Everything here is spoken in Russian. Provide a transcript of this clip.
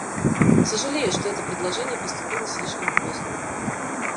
Сожалею, что это предложение поступило слишком поздно.